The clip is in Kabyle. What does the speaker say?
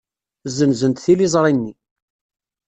Ssenzent tiliẓri-nni.